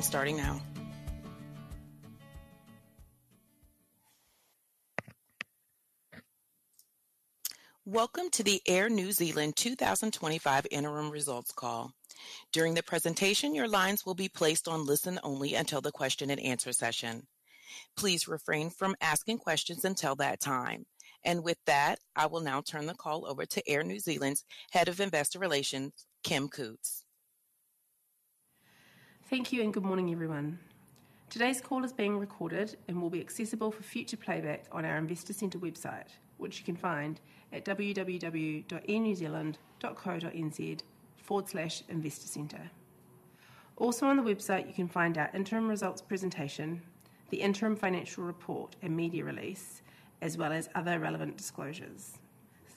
Starting now. Welcome to the Air New Zealand 2025 Interim Results Call. During the presentation, your lines will be placed on listen-only until the question-and-answer session. Please refrain from asking questions until that time. And with that, I will now turn the call over to Air New Zealand's Head of Investor Relations, Kim Cootes. Thank you and good morning, everyone. Today's call is being recorded and will be accessible for future playback on our Investor Centre website, which you can find at www.airnewzealand.co.nz/investorcentre. Also, on the website, you can find our interim results presentation, the interim financial report and media release, as well as other relevant disclosures.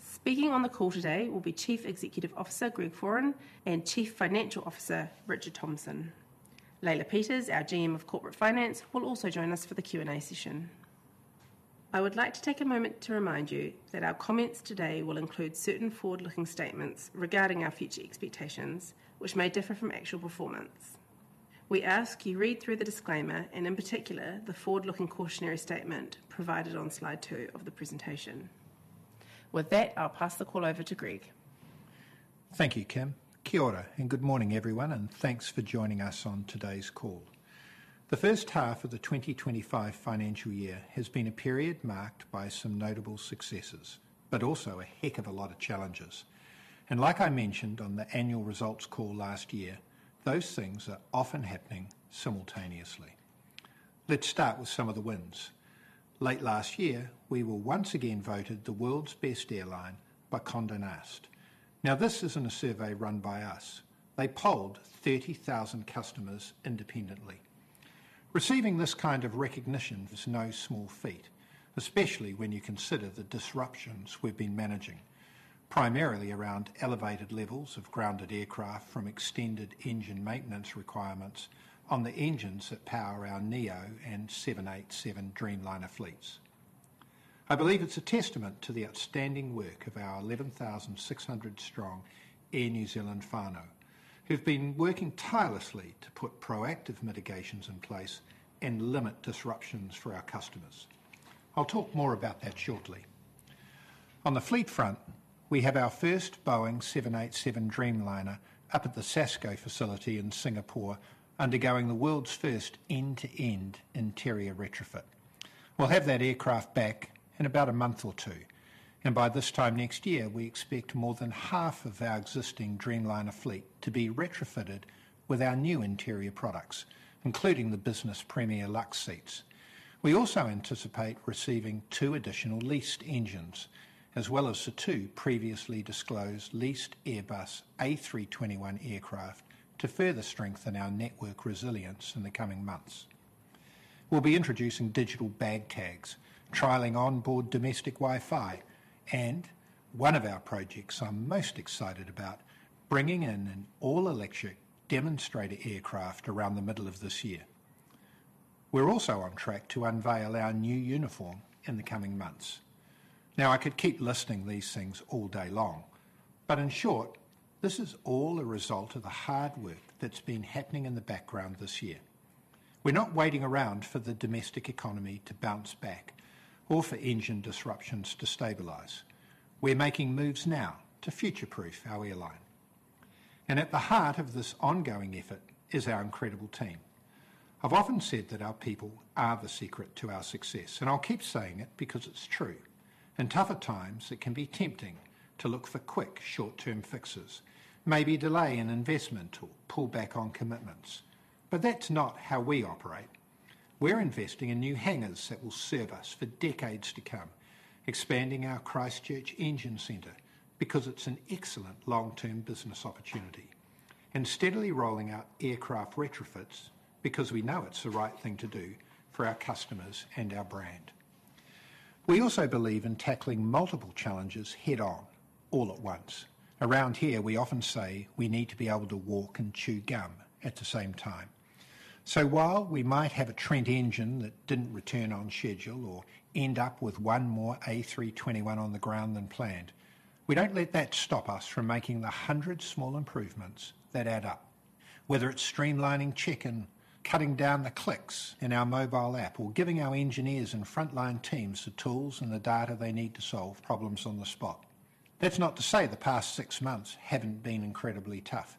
Speaking on the call today will be Chief Executive Officer Greg Foran and Chief Financial Officer Richard Thomson. Leila Peters, our GM of Corporate Finance, will also join us for the Q&A session. I would like to take a moment to remind you that our comments today will include certain forward-looking statements regarding our future expectations, which may differ from actual performance. We ask you to read through the disclaimer and, in particular, the forward-looking cautionary statement provided on slide two of the presentation. With that, I'll pass the call over to Greg. Thank you, Kim. Kia Mau, and good morning, everyone, and thanks for joining us on today's call. The first half of the 2025 financial year has been a period marked by some notable successes, but also a heck of a lot of challenges. And like I mentioned on the annual results call last year, those things are often happening simultaneously. Let's start with some of the wins. Late last year, we were once again voted the world's best airline by Condé Nast. Now, this isn't a survey run by us. They polled 30,000 customers independently. Receiving this kind of recognition is no small feat, especially when you consider the disruptions we've been managing, primarily around elevated levels of grounded aircraft from extended engine maintenance requirements on the engines that power our NEO and 787 Dreamliner fleets. I believe it's a testament to the outstanding work of our 11,600-strong Air New Zealand whānau, who've been working tirelessly to put proactive mitigations in place and limit disruptions for our customers. I'll talk more about that shortly. On the fleet front, we have our first Boeing 787 Dreamliner up at the SASCO facility in Singapore, undergoing the world's first end-to-end interior retrofit. We'll have that aircraft back in about a month or two, and by this time next year, we expect more than half of our existing Dreamliner fleet to be retrofitted with our new interior products, including the Business Premier Luxe seats. We also anticipate receiving two additional leased engines, as well as the two previously disclosed leased Airbus A321 aircraft, to further strengthen our network resilience in the coming months. We'll be introducing digital bag tags, trialing onboard domestic Wi-Fi, and one of our projects I'm most excited about, bringing in an all-electric demonstrator aircraft around the middle of this year. We're also on track to unveil our new uniform in the coming months. Now, I could keep listing these things all day long, but in short, this is all a result of the hard work that's been happening in the background this year. We're not waiting around for the domestic economy to bounce back or for engine disruptions to stabilize. We're making moves now to future-proof our airline. And at the heart of this ongoing effort is our incredible team. I've often said that our people are the secret to our success, and I'll keep saying it because it's true. In tougher times, it can be tempting to look for quick short-term fixes, maybe delay an investment or pull back on commitments. But that's not how we operate. We're investing in new hangars that will serve us for decades to come, expanding our Christchurch Engine Centre because it's an excellent long-term business opportunity, and steadily rolling out aircraft retrofits because we know it's the right thing to do for our customers and our brand. We also believe in tackling multiple challenges head-on, all at once. Around here, we often say we need to be able to walk and chew gum at the same time. So while we might have a Trent engine that didn't return on schedule or end up with one more A321 on the ground than planned, we don't let that stop us from making the 100 small improvements that add up, whether it's streamlining check-in, cutting down the clicks in our mobile app, or giving our engineers and frontline teams the tools and the data they need to solve problems on the spot. That's not to say the past six months haven't been incredibly tough.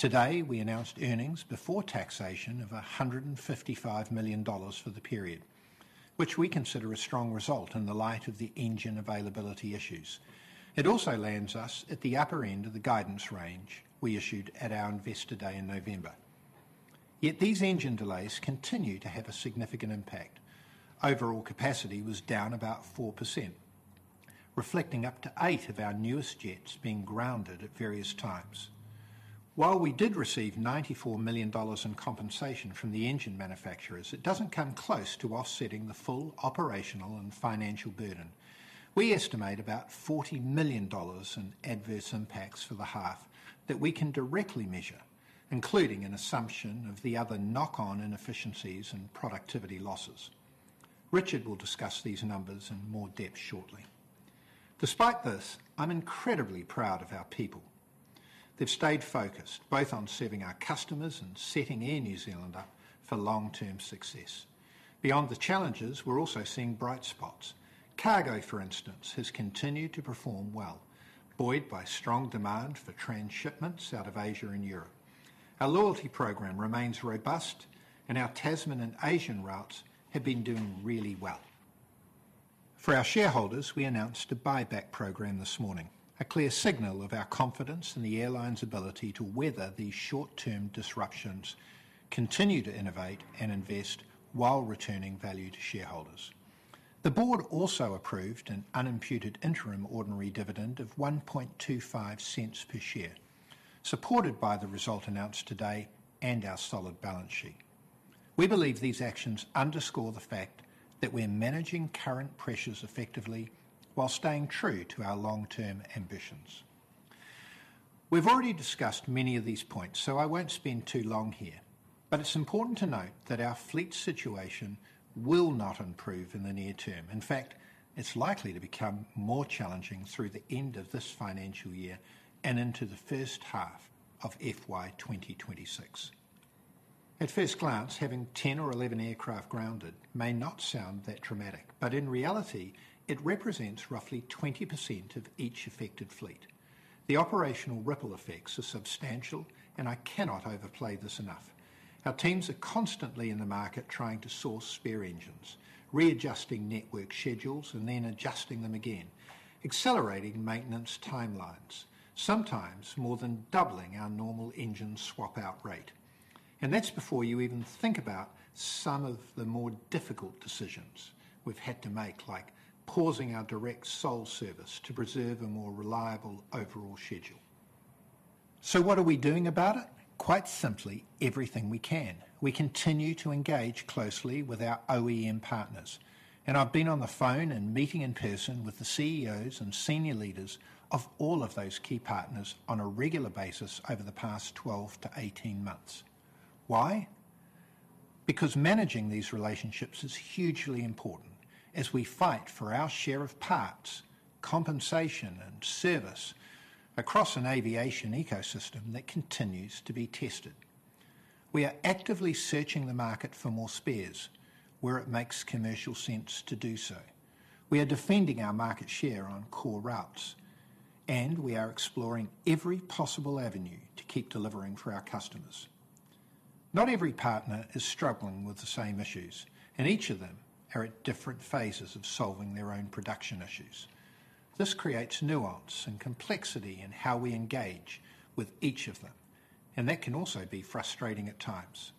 Today, we announced Earnings Before Taxation of 155 million dollars for the period, which we consider a strong result in the light of the engine availability issues. It also lands us at the upper end of the guidance range we issued at our investor day in November. Yet these engine delays continue to have a significant impact. Overall capacity was down about 4%, reflecting up to eight of our newest jets being grounded at various times. While we did receive 94 million dollars in compensation from the engine manufacturers, it doesn't come close to offsetting the full operational and financial burden. We estimate about 40 million dollars in adverse impacts for the half that we can directly measure, including an assumption of the other knock-on inefficiencies and productivity losses. Richard will discuss these numbers in more depth shortly. Despite this, I'm incredibly proud of our people. They've stayed focused both on serving our customers and setting Air New Zealand up for long-term success. Beyond the challenges, we're also seeing bright spots. Cargo, for instance, has continued to perform well, buoyed by strong demand for transshipments out of Asia and Europe. Our loyalty program remains robust, and our Tasman and Asian routes have been doing really well. For our shareholders, we announced a buyback program this morning, a clear signal of our confidence in the airline's ability to weather these short-term disruptions, continue to innovate and invest while returning value to shareholders. The board also approved an unimputed interim ordinary dividend of 0.0125 per share, supported by the result announced today and our solid balance sheet. We believe these actions underscore the fact that we're managing current pressures effectively while staying true to our long-term ambitions. We've already discussed many of these points, so I won't spend too long here, but it's important to note that our fleet situation will not improve in the near term. In fact, it's likely to become more challenging through the end of this financial year and into the first half of FY 2026. At first glance, having 10 or 11 aircraft grounded may not sound that dramatic, but in reality, it represents roughly 20% of each affected fleet. The operational ripple effects are substantial, and I cannot overplay this enough. Our teams are constantly in the market trying to source spare engines, readjusting network schedules and then adjusting them again, accelerating maintenance timelines, sometimes more than doubling our normal engine swap-out rate. And that's before you even think about some of the more difficult decisions we've had to make, like pausing our direct Seoul service to preserve a more reliable overall schedule. So what are we doing about it? Quite simply, everything we can. We continue to engage closely with our OEM partners, and I've been on the phone and meeting in person with the CEOs and senior leaders of all of those key partners on a regular basis over the past 12-18 months. Why? Because managing these relationships is hugely important as we fight for our share of parts, compensation, and service across an aviation ecosystem that continues to be tested. We are actively searching the market for more spares where it makes commercial sense to do so. We are defending our market share on core routes, and we are exploring every possible avenue to keep delivering for our customers. Not every partner is struggling with the same issues, and each of them are at different phases of solving their own production issues. This creates nuance and complexity in how we engage with each of them, and that can also be frustrating at times.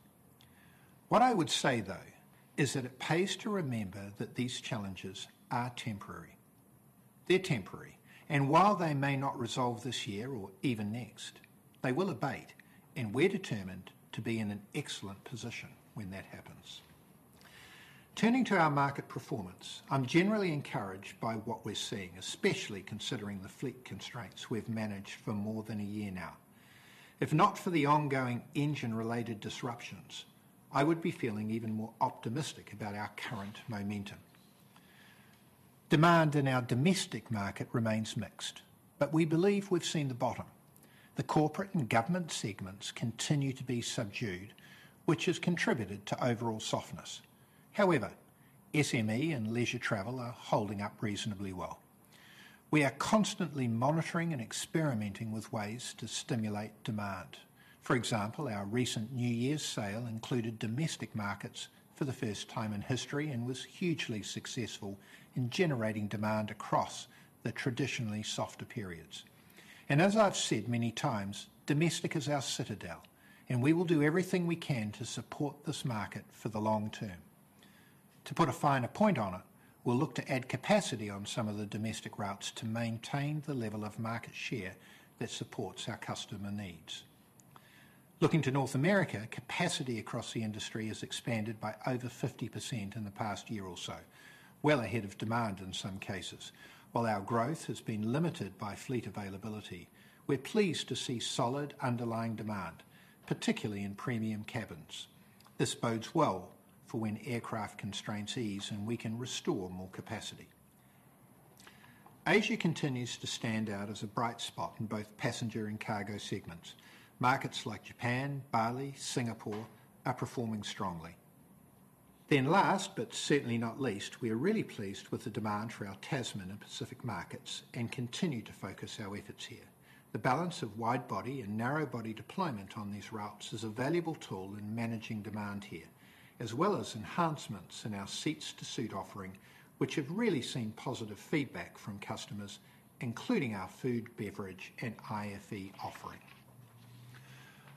What I would say, though, is that it pays to remember that these challenges are temporary. They're temporary, and while they may not resolve this year or even next, they will abate, and we're determined to be in an excellent position when that happens. Turning to our market performance, I'm generally encouraged by what we're seeing, especially considering the fleet constraints we've managed for more than a year now. If not for the ongoing engine-related disruptions, I would be feeling even more optimistic about our current momentum. Demand in our domestic market remains mixed, but we believe we've seen the bottom. The corporate and government segments continue to be subdued, which has contributed to overall softness. However, SME and leisure travel are holding up reasonably well. We are constantly monitoring and experimenting with ways to stimulate demand. For example, our recent New Year's sale included domestic markets for the first time in history and was hugely successful in generating demand across the traditionally softer periods. And as I've said many times, domestic is our citadel, and we will do everything we can to support this market for the long term. To put a finer point on it, we'll look to add capacity on some of the domestic routes to maintain the level of market share that supports our customer needs. Looking to North America, capacity across the industry has expanded by over 50% in the past year or so, well ahead of demand in some cases. While our growth has been limited by fleet availability, we're pleased to see solid underlying demand, particularly in premium cabins. This bodes well for when aircraft constraints ease and we can restore more capacity. Asia continues to stand out as a bright spot in both passenger and cargo segments. Markets like Japan, Bali, Singapore are performing strongly. Then last, but certainly not least, we are really pleased with the demand for our Tasman and Pacific markets and continue to focus our efforts here. The balance of wide body and narrow body deployment on these routes is a valuable tool in managing demand here, as well as enhancements in our Seats to Suit offering, which have really seen positive feedback from customers, including our food, beverage, and IFE offering.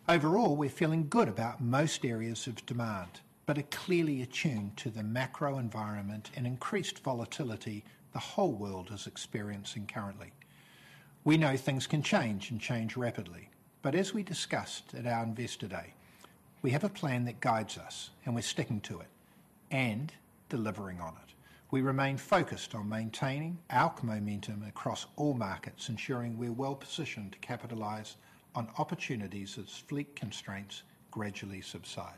Overall, we're feeling good about most areas of demand, but are clearly attuned to the macro environment and increased volatility the whole world is experiencing currently. We know things can change and change rapidly, but as we discussed at our investor day, we have a plan that guides us, and we're sticking to it and delivering on it. We remain focused on maintaining our momentum across all markets, ensuring we're well positioned to capitalize on opportunities as fleet constraints gradually subside.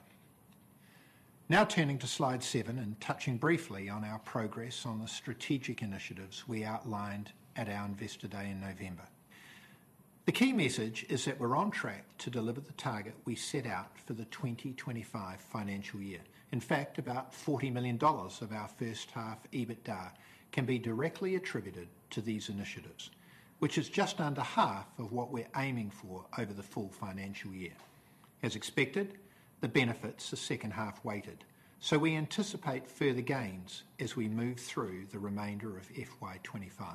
Now turning to slide seven and touching briefly on our progress on the strategic initiatives we outlined at our investor day in November. The key message is that we're on track to deliver the target we set out for the 2025 financial year. In fact, about 40 million dollars of our first half EBITDA can be directly attributed to these initiatives, which is just under half of what we're aiming for over the full financial year. As expected, the benefits are second half weighted, so we anticipate further gains as we move through the remainder of FY 25.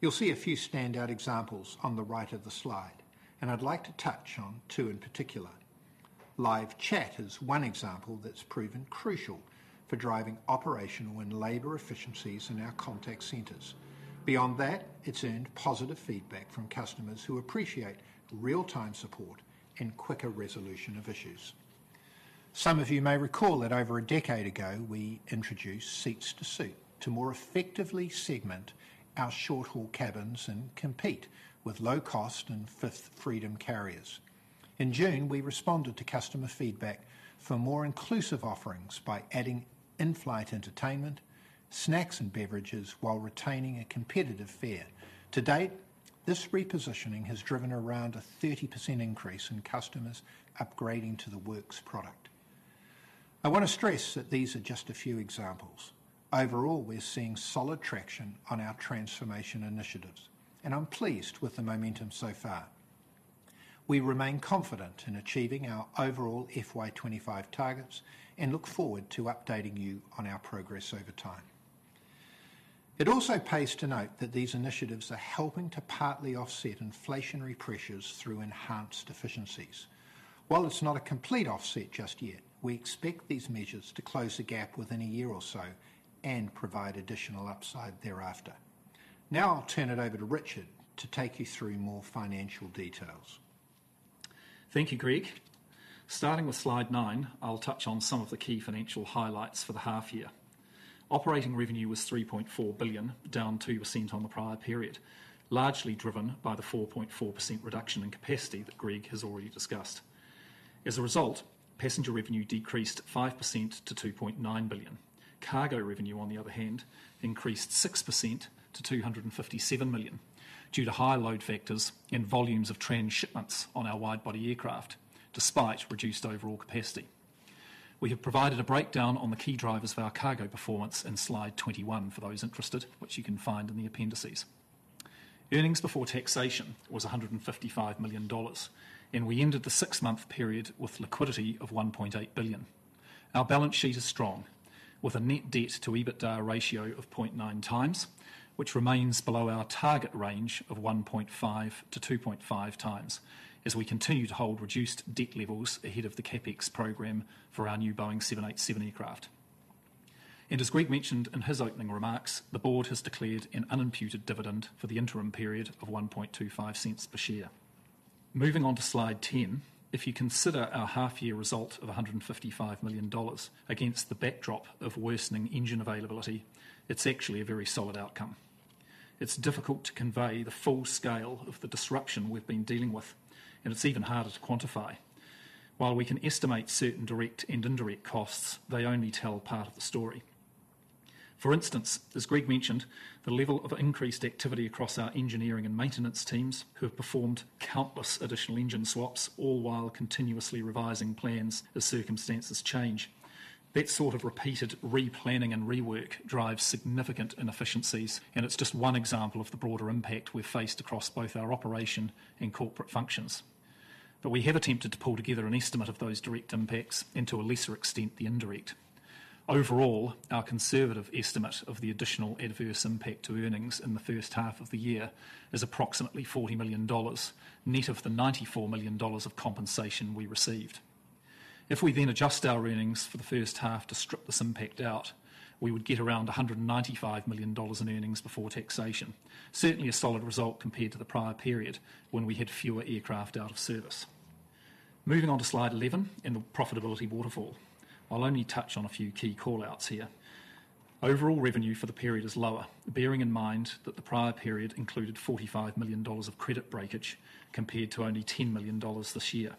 You'll see a few standout examples on the right of the slide, and I'd like to touch on two in particular. Live chat is one example that's proven crucial for driving operational and labor efficiencies in our contact centers. Beyond that, it's earned positive feedback from customers who appreciate real-time support and quicker resolution of issues. Some of you may recall that over a decade ago, we introduced Seats to Suit to more effectively segment our short-haul cabins and compete with low-cost and Fifth Freedom carriers. In June, we responded to customer feedback for more inclusive offerings by adding in-flight entertainment, snacks, and beverages while retaining a competitive fare. To date, this repositioning has driven around a 30% increase in customers upgrading to The Works product. I want to stress that these are just a few examples. Overall, we're seeing solid traction on our transformation initiatives, and I'm pleased with the momentum so far. We remain confident in achieving our overall FY 25 targets and look forward to updating you on our progress over time. It also pays to note that these initiatives are helping to partly offset inflationary pressures through enhanced efficiencies. While it's not a complete offset just yet, we expect these measures to close the gap within a year or so and provide additional upside thereafter. Now I'll turn it over to Richard to take you through more financial details. Thank you, Greg. Starting with slide nine, I'll touch on some of the key financial highlights for the half year. Operating revenue was 3.4 billion, down 2% on the prior period, largely driven by the 4.4% reduction in capacity that Greg has already discussed. As a result, passenger revenue decreased 5% to 2.9 billion. Cargo revenue, on the other hand, increased 6% to 257 million due to high load factors and volumes of transshipments on our wide body aircraft, despite reduced overall capacity. We have provided a breakdown on the key drivers of our cargo performance in slide 21 for those interested, which you can find in the appendices. Earnings before taxation was 155 million dollars, and we ended the six-month period with liquidity of 1.8 billion. Our balance sheet is strong, with a net debt-to-EBITDA ratio of 0.9 times, which remains below our target range of 1.5-2.5 times as we continue to hold reduced debt levels ahead of the CapEx program for our new Boeing 787 aircraft, and as Greg mentioned in his opening remarks, the board has declared an unimputed dividend for the interim period of 0.0125 per share. Moving on to slide 10, if you consider our half-year result of 155 million dollars against the backdrop of worsening engine availability, it's actually a very solid outcome. It's difficult to convey the full scale of the disruption we've been dealing with, and it's even harder to quantify. While we can estimate certain direct and indirect costs, they only tell part of the story. For instance, as Greg mentioned, the level of increased activity across our engineering and maintenance teams who have performed countless additional engine swaps, all while continuously revising plans as circumstances change. That sort of repeated replanning and rework drives significant inefficiencies, and it's just one example of the broader impact we've faced across both our operation and corporate functions. We have attempted to pull together an estimate of those direct impacts and, to a lesser extent, the indirect. Overall, our conservative estimate of the additional adverse impact to earnings in the first half of the year is approximately 40 million dollars, net of the 94 million dollars of compensation we received. If we then adjust our earnings for the first half to strip this impact out, we would get around 195 million dollars in earnings before taxation, certainly a solid result compared to the prior period when we had fewer aircraft out of service. Moving on to slide 11 in the profitability waterfall, I'll only touch on a few key callouts here. Overall revenue for the period is lower, bearing in mind that the prior period included 45 million dollars of credit breakage compared to only 10 million dollars this year.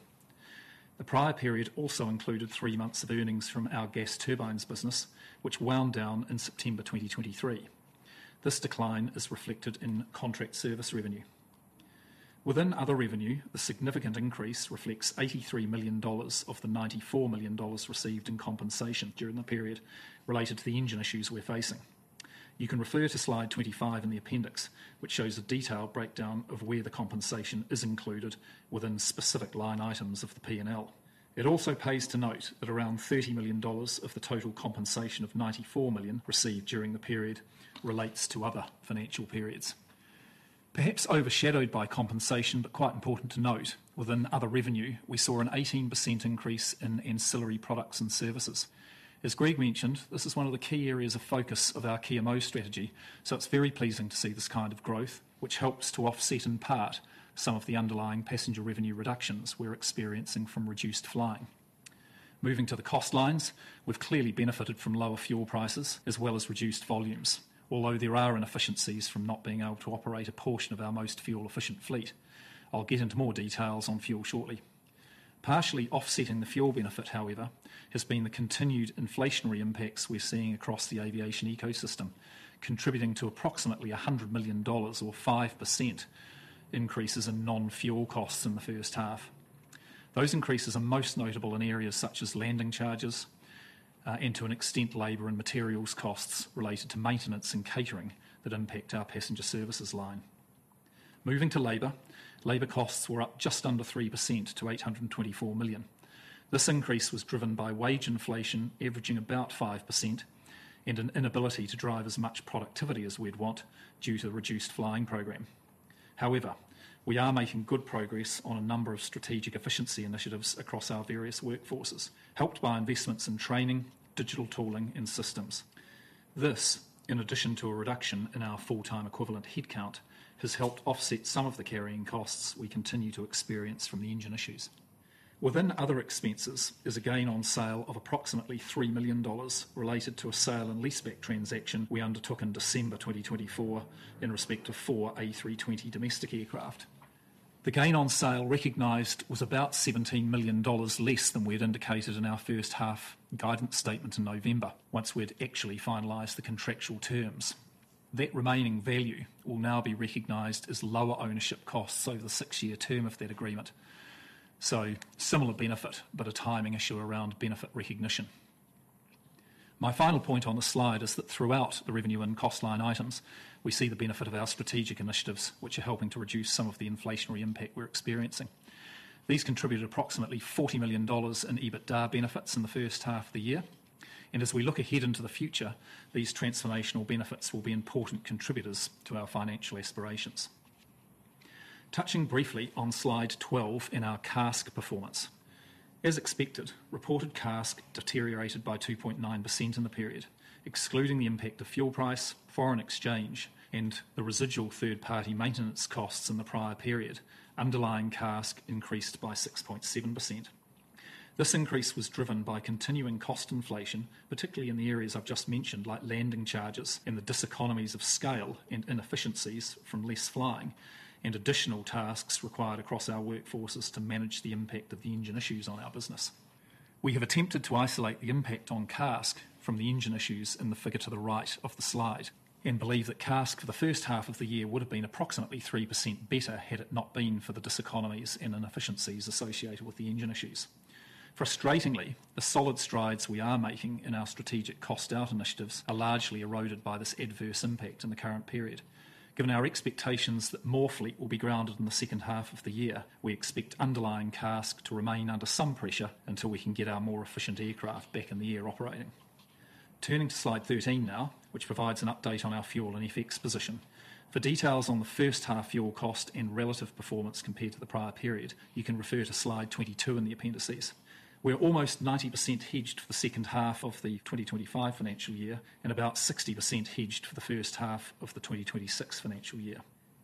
The prior period also included three months of earnings from our gas turbines business, which wound down in September 2023. This decline is reflected in contract service revenue. Within other revenue, the significant increase reflects 83 million dollars of the 94 million dollars received in compensation during the period related to the engine issues we're facing. You can refer to slide 25 in the appendix, which shows a detailed breakdown of where the compensation is included within specific line items of the P&L. It also pays to note that around 30 million dollars of the total compensation of 94 million received during the period relates to other financial periods. Perhaps overshadowed by compensation, but quite important to note, within other revenue, we saw an 18% increase in ancillary products and services. As Greg mentioned, this is one of the key areas of focus of our Kia Mau strategy, so it's very pleasing to see this kind of growth, which helps to offset in part some of the underlying passenger revenue reductions we're experiencing from reduced flying. Moving to the cost lines, we've clearly benefited from lower fuel prices as well as reduced volumes, although there are inefficiencies from not being able to operate a portion of our most fuel-efficient fleet. I'll get into more details on fuel shortly. Partially offsetting the fuel benefit, however, has been the continued inflationary impacts we're seeing across the aviation ecosystem, contributing to approximately 100 million dollars or 5% increases in non-fuel costs in the first half. Those increases are most notable in areas such as landing charges and, to an extent, labor and materials costs related to maintenance and catering that impact our passenger services line. Moving to labor, labor costs were up just under 3% to 824 million. This increase was driven by wage inflation averaging about 5% and an inability to drive as much productivity as we'd want due to the reduced flying program. However, we are making good progress on a number of strategic efficiency initiatives across our various workforces, helped by investments in training, digital tooling, and systems. This, in addition to a reduction in our full-time equivalent headcount, has helped offset some of the carrying costs we continue to experience from the engine issues. Within other expenses is a gain on sale of approximately 3 million dollars related to a sale and lease-back transaction we undertook in December 2024 in respect of four A320 domestic aircraft. The gain on sale recognised was about 17 million dollars less than we had indicated in our first half guidance statement in November, once we had actually finalised the contractual terms. That remaining value will now be recognised as lower ownership costs over the six-year term of that agreement. So, similar benefit, but a timing issue around benefit recognition. My final point on the slide is that throughout the revenue and cost line items, we see the benefit of our strategic initiatives, which are helping to reduce some of the inflationary impact we're experiencing. These contributed approximately 40 million dollars in EBITDA benefits in the first half of the year. And as we look ahead into the future, these transformational benefits will be important contributors to our financial aspirations. Touching briefly on slide 12 in our CASK performance. As expected, reported CASK deteriorated by 2.9% in the period, excluding the impact of fuel price, foreign exchange, and the residual third-party maintenance costs in the prior period, underlying CASK increased by 6.7%. This increase was driven by continuing cost inflation, particularly in the areas I've just mentioned, like landing charges and the diseconomies of scale and inefficiencies from less flying, and additional tasks required across our workforces to manage the impact of the engine issues on our business. We have attempted to isolate the impact on CASK from the engine issues in the figure to the right of the slide and believe that CASK for the first half of the year would have been approximately 3% better had it not been for the diseconomies and inefficiencies associated with the engine issues. Frustratingly, the solid strides we are making in our strategic cost-out initiatives are largely eroded by this adverse impact in the current period. Given our expectations that more fleet will be grounded in the second half of the year, we expect underlying CASK to remain under some pressure until we can get our more efficient aircraft back in the air operating. Turning to slide 13 now, which provides an update on our fuel and FX position. For details on the first half fuel cost and relative performance compared to the prior period, you can refer to slide 22 in the appendices. We're almost 90% hedged for the second half of the 2025 financial year and about 60% hedged for the first half of the 2026 financial year.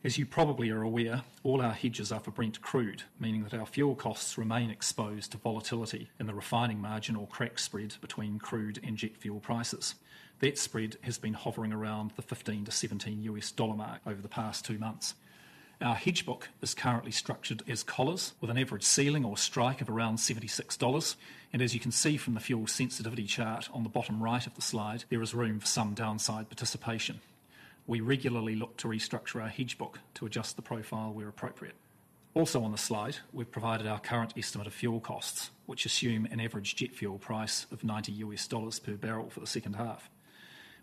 As you probably are aware, all our hedges are for Brent crude, meaning that our fuel costs remain exposed to volatility in the refining margin or crack spread between crude and jet fuel prices. That spread has been hovering around the $15-$17 US dollar mark over the past two months. Our hedge book is currently structured as collars with an average ceiling or strike of around $76. And as you can see from the fuel sensitivity chart on the bottom right of the slide, there is room for some downside participation. We regularly look to restructure our hedge book to adjust the profile where appropriate. Also on the slide, we've provided our current estimate of fuel costs, which assume an average jet fuel price of $90 US dollars per barrel for the second half.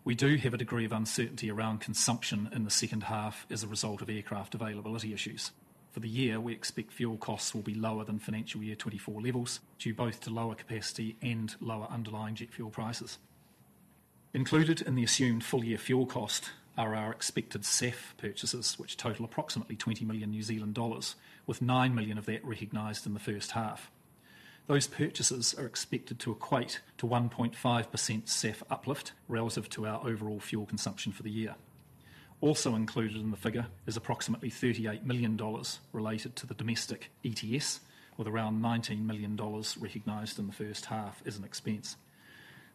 We do have a degree of uncertainty around consumption in the second half as a result of aircraft availability issues. For the year, we expect fuel costs will be lower than financial year 2024 levels due both to lower capacity and lower underlying jet fuel prices. Included in the assumed full-year fuel cost are our expected SAF purchases, which total approximately 20 million New Zealand dollars, with 9 million of that recognized in the first half. Those purchases are expected to equate to 1.5% SAF uplift relative to our overall fuel consumption for the year. Also included in the figure is approximately 38 million dollars related to the domestic ETS, with around 19 million dollars recognized in the first half as an expense,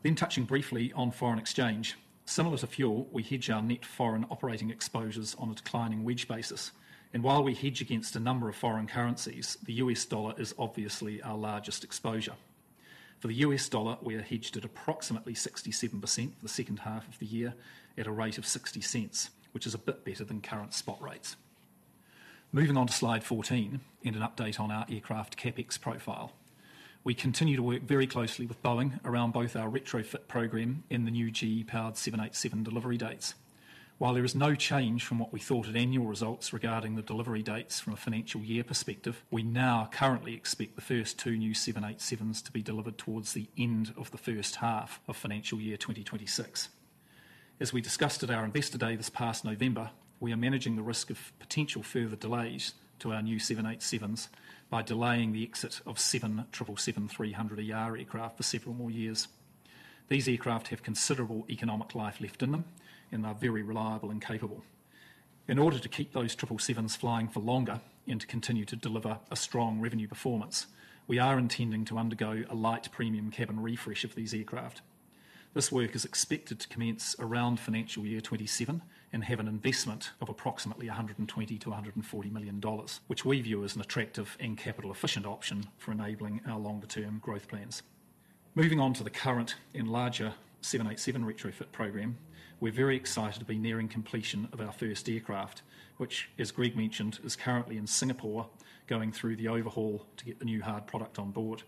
then touching briefly on foreign exchange, similar to fuel, we hedge our net foreign operating exposures on a declining wedge basis, and while we hedge against a number of foreign currencies, the US dollar is obviously our largest exposure. For the US dollar, we are hedged at approximately 67% for the second half of the year at a rate of $0.60, which is a bit better than current spot rates. Moving on to slide 14 and an update on our aircraft CapEx profile. We continue to work very closely with Boeing around both our retrofit program and the new GE-powered 787 delivery dates. While there is no change from what we thought at annual results regarding the delivery dates from a financial year perspective, we now currently expect the first two new 787s to be delivered towards the end of the first half of financial year 2026. As we discussed at our investor day this past November, we are managing the risk of potential further delays to our new 787s by delaying the exit of seven 777-300ER aircraft for several more years. These aircraft have considerable economic life left in them, and they're very reliable and capable. In order to keep those 777s flying for longer and to continue to deliver a strong revenue performance, we are intending to undergo a light premium cabin refresh of these aircraft. This work is expected to commence around financial year 2027 and have an investment of approximately NZD 120-NZD 140 million, which we view as an attractive and capital-efficient option for enabling our longer-term growth plans. Moving on to the current and larger 787 retrofit program, we're very excited to be nearing completion of our first aircraft, which, as Greg mentioned, is currently in Singapore going through the overhaul to get the new hard product on board.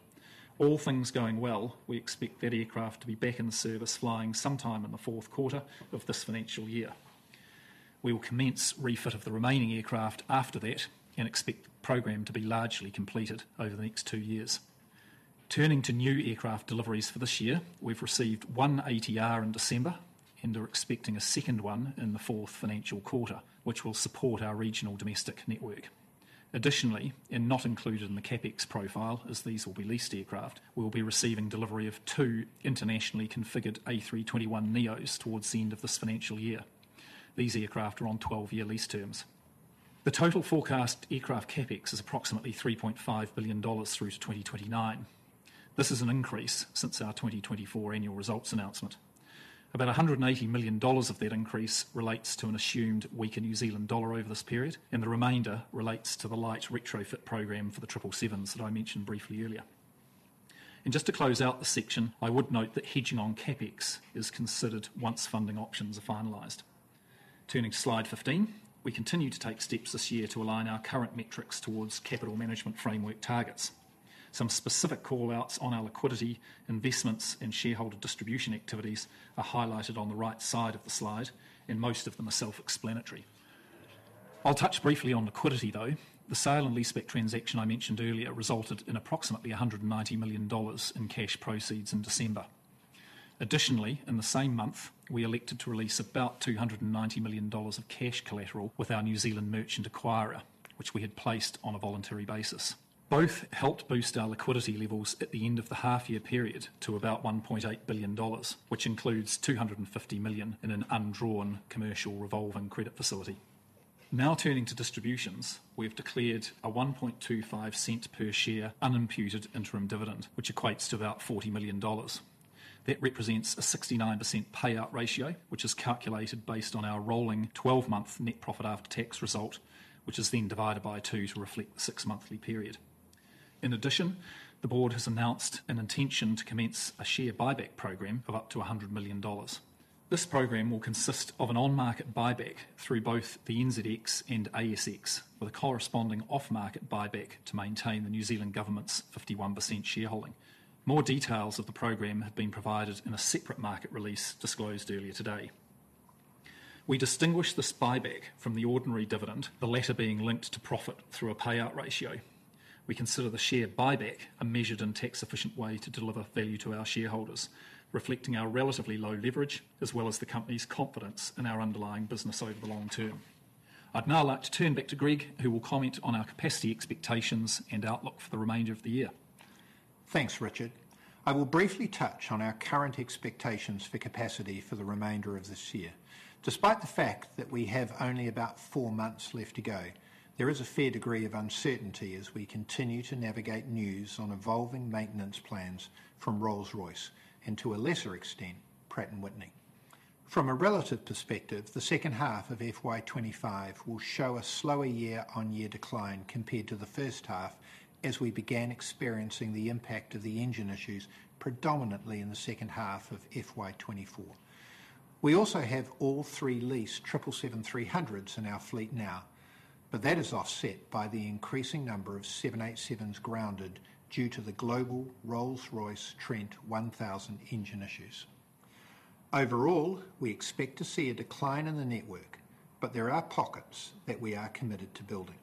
All things going well, we expect that aircraft to be back in service flying sometime in the fourth quarter of this financial year. We will commence refit of the remaining aircraft after that and expect the program to be largely completed over the next two years. Turning to new aircraft deliveries for this year, we've received one ATR in December and are expecting a second one in the fourth financial quarter, which will support our regional domestic network. Additionally, and not included in the CapEx profile as these will be leased aircraft, we will be receiving delivery of two internationally configured A321neos towards the end of this financial year. These aircraft are on 12-year lease terms. The total forecast aircraft CapEx is approximately 3.5 billion dollars through to 2029. This is an increase since our 2024 annual results announcement. About 180 million dollars of that increase relates to an assumed weaker New Zealand dollar over this period, and the remainder relates to the light retrofit program for the 777s that I mentioned briefly earlier. And just to close out the section, I would note that hedging on CapEx is considered once funding options are finalized. Turning to slide 15, we continue to take steps this year to align our current metrics towards capital management framework targets. Some specific callouts on our liquidity, investments, and shareholder distribution activities are highlighted on the right side of the slide, and most of them are self-explanatory. I'll touch briefly on liquidity, though. The sale and lease-back transaction I mentioned earlier resulted in approximately 190 million dollars in cash proceeds in December. Additionally, in the same month, we elected to release about 290 million dollars of cash collateral with our New Zealand merchant acquirer, which we had placed on a voluntary basis. Both helped boost our liquidity levels at the end of the half-year period to about 1.8 billion dollars, which includes 250 million in an undrawn commercial revolving credit facility. Now turning to distributions, we've declared a 0.0125 per share unimputed interim dividend, which equates to about 40 million dollars. That represents a 69% payout ratio, which is calculated based on our rolling 12-month net profit after tax result, which is then divided by two to reflect the six-monthly period. In addition, the board has announced an intention to commence a share buyback program of up to 100 million dollars. This program will consist of an on-market buyback through both the NZX and ASX, with a corresponding off-market buyback to maintain the New Zealand Government's 51% shareholding. More details of the program have been provided in a separate market release disclosed earlier today. We distinguish this buyback from the ordinary dividend, the latter being linked to profit through a payout ratio. We consider the share buyback a measured and tax-efficient way to deliver value to our shareholders, reflecting our relatively low leverage as well as the company's confidence in our underlying business over the long term. I'd now like to turn back to Greg, who will comment on our capacity expectations and outlook for the remainder of the year. Thanks, Richard. I will briefly touch on our current expectations for capacity for the remainder of this year. Despite the fact that we have only about four months left to go, there is a fair degree of uncertainty as we continue to navigate news on evolving maintenance plans from Rolls-Royce and, to a lesser extent, Pratt & Whitney. From a relative perspective, the second half of FY 2025 will show a slower year-on-year decline compared to the first half as we began experiencing the impact of the engine issues predominantly in the second half of FY 2024. We also have all three leased 777-300s in our fleet now, but that is offset by the increasing number of 787s grounded due to the global Rolls-Royce Trent 1000 engine issues. Overall, we expect to see a decline in the network, but there are pockets that we are committed to building.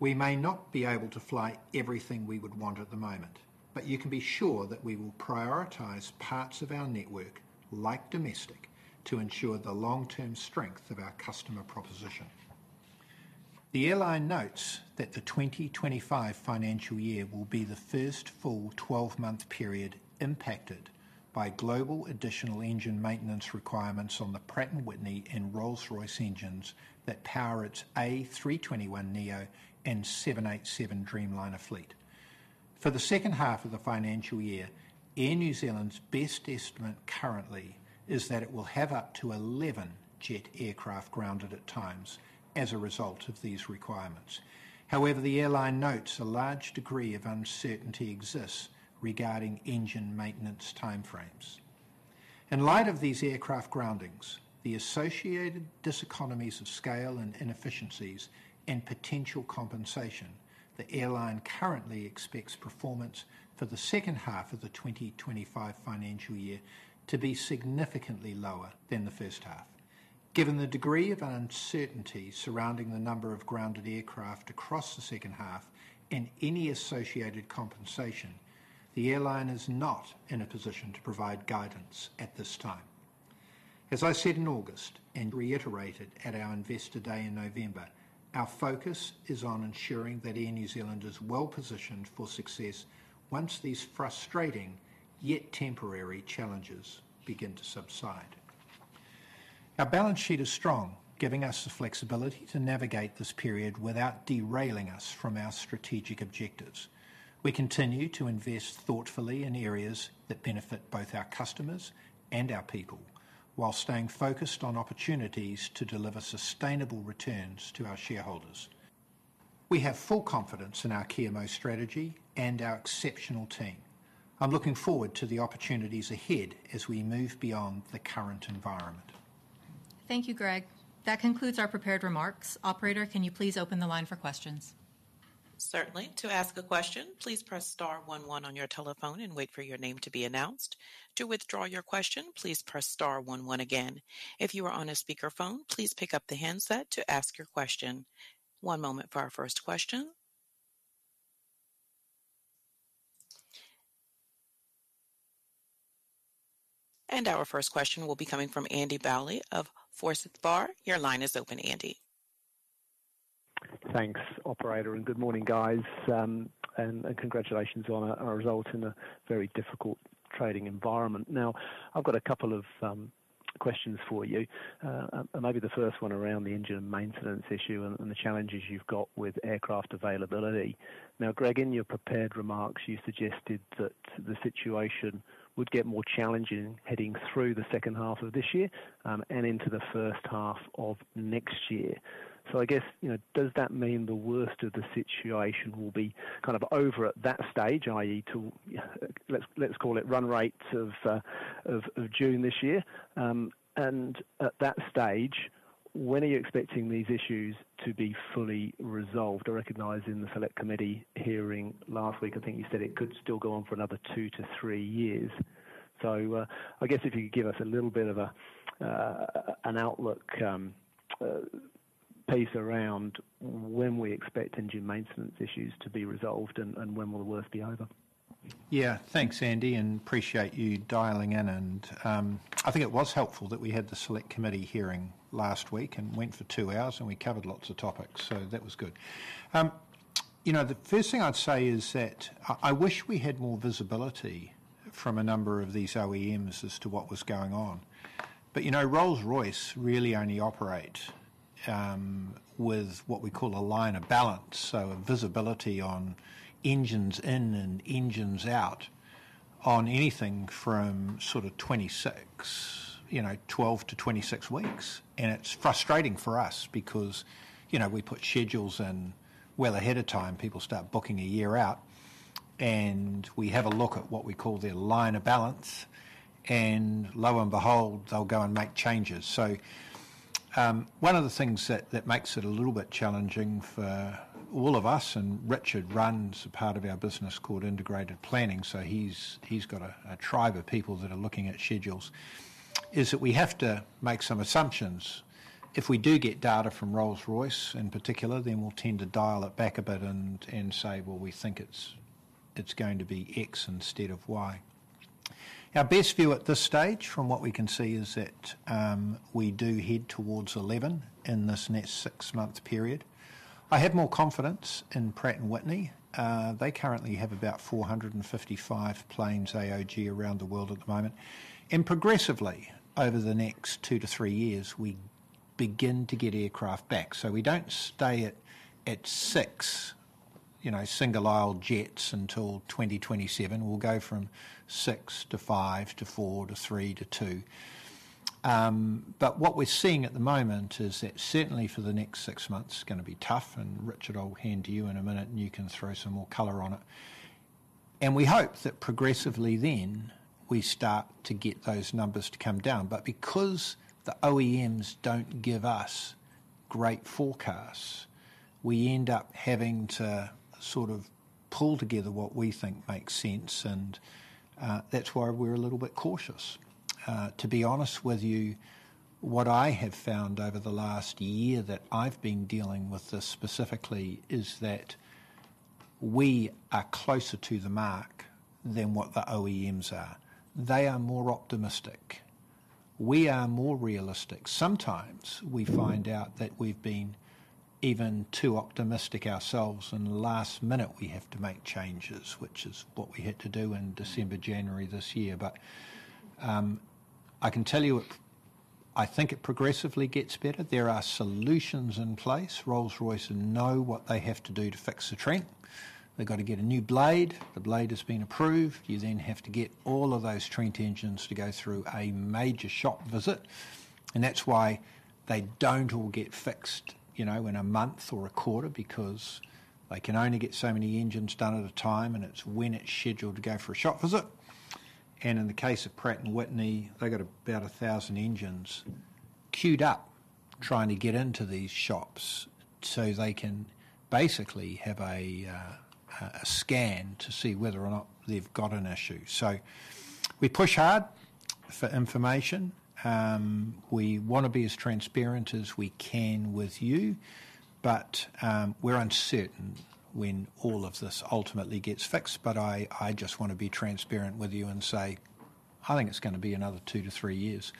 We may not be able to fly everything we would want at the moment, but you can be sure that we will prioritize parts of our network, like domestic, to ensure the long-term strength of our customer proposition. The airline notes that the 2025 financial year will be the first full 12-month period impacted by global additional engine maintenance requirements on the Pratt & Whitney and Rolls-Royce engines that power its A321neo and 787 Dreamliner fleet. For the second half of the financial year, Air New Zealand's best estimate currently is that it will have up to 11 jet aircraft grounded at times as a result of these requirements. However, the airline notes a large degree of uncertainty exists regarding engine maintenance timeframes. In light of these aircraft groundings, the associated diseconomies of scale and inefficiencies, and potential compensation, the airline currently expects performance for the second half of the 2025 financial year to be significantly lower than the first half. Given the degree of uncertainty surrounding the number of grounded aircraft across the second half and any associated compensation, the airline is not in a position to provide guidance at this time. As I said in August and reiterated at our investor day in November, our focus is on ensuring that Air New Zealand is well positioned for success once these frustrating yet temporary challenges begin to subside. Our balance sheet is strong, giving us the flexibility to navigate this period without derailing us from our strategic objectives. We continue to invest thoughtfully in areas that benefit both our customers and our people while staying focused on opportunities to deliver sustainable returns to our shareholders. We have full confidence in our Kia Mau strategy and our exceptional team. I'm looking forward to the opportunities ahead as we move beyond the current environment. Thank you, Greg. That concludes our prepared remarks. Operator, can you please open the line for questions? Certainly. To ask a question, please press star one one on your telephone and wait for your name to be announced. To withdraw your question, please press star one one again. If you are on a speakerphone, please pick up the handset to ask your question. One moment for our first question. And our first question will be coming from Andy Bowley of Forsyth Barr. Your line is open, Andy. Thanks, Operator, and good morning, guys, and congratulations on our results in a very difficult trading environment. Now, I've got a couple of questions for you, and maybe the first one around the engine maintenance issue and the challenges you've got with aircraft availability. Now, Greg, in your prepared remarks, you suggested that the situation would get more challenging heading through the second half of this year and into the first half of next year. So I guess, does that mean the worst of the situation will be kind of over at that stage, i.e., let's call it run rates of June this year? And at that stage, when are you expecting these issues to be fully resolved? I recognize in the select committee hearing last week, I think you said it could still go on for another two to three years. So I guess if you could give us a little bit of an outlook piece around when we expect engine maintenance issues to be resolved and when will the worst be over. Yeah, thanks, Andy, and appreciate you dialing in. And I think it was helpful that we had the select committee hearing last week and went for two hours, and we covered lots of topics, so that was good. The first thing I'd say is that I wish we had more visibility from a number of these OEMs as to what was going on. But Rolls-Royce really only operate with what we call a line of balance, so visibility on engines in and engines out on anything from sort of 12-26 weeks. And it's frustrating for us because we put schedules in well ahead of time. People start booking a year out, and we have a look at what we call their line of balance, and lo and behold, they'll go and make changes. So one of the things that makes it a little bit challenging for all of us, and Richard runs a part of our business called integrated planning, so he's got a tribe of people that are looking at schedules, is that we have to make some assumptions. If we do get data from Rolls-Royce in particular, then we'll tend to dial it back a bit and say, "Well, we think it's going to be X instead of Y." Our best view at this stage, from what we can see, is that we do head towards 11 in this next six-month period. I have more confidence in Pratt & Whitney. They currently have about 455 planes AOG around the world at the moment. And progressively, over the next two to three years, we begin to get aircraft back. So we don't stay at six single-aisle jets until 2027. We'll go from six to five to four to three to two, but what we're seeing at the moment is that certainly for the next six months, it's going to be tough, and Richard, I'll hand to you in a minute, and you can throw some more color on it, and we hope that progressively then we start to get those numbers to come down, but because the OEMs don't give us great forecasts, we end up having to sort of pull together what we think makes sense, and that's why we're a little bit cautious. To be honest with you, what I have found over the last year that I've been dealing with this specifically is that we are closer to the mark than what the OEMs are. They are more optimistic. We are more realistic. Sometimes we find out that we've been even too optimistic ourselves, and last minute we have to make changes, which is what we had to do in December, January this year. But I can tell you, I think it progressively gets better. There are solutions in place. Rolls-Royce know what they have to do to fix the Trent. They've got to get a new blade. The blade has been approved. You then have to get all of those Trent engines to go through a major shop visit. And that's why they don't all get fixed in a month or a quarter, because they can only get so many engines done at a time, and it's when it's scheduled to go for a shop visit. And in the case of Pratt & Whitney, they've got about 1,000 engines queued up trying to get into these shops so they can basically have a scan to see whether or not they've got an issue. So we push hard for information. We want to be as transparent as we can with you, but we're uncertain when all of this ultimately gets fixed. But I just want to be transparent with you and say, "I think it's going to be another two to three years